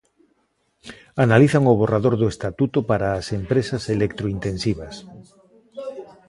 Analizan o borrador do estatuto para as empresas electrointensivas.